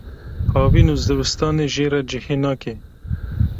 havîn û zivistanê jê re cihê nake.